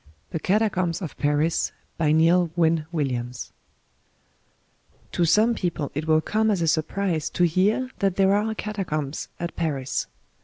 THE CATACOMBS OF PARIS NEIL frrNN WILLIAMS TO some people it will come as a surprise to hear tbat there are catacombs at Paris.